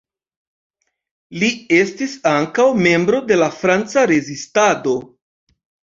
Li estis ankaŭ membro de la Franca rezistado.